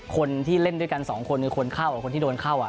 คนที่เล่นด้วยกันสองคนคือคนเข้ากับคนที่โดนเข้า